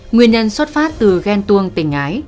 nguyên nhân xuất phát từ ghen tuông tình ái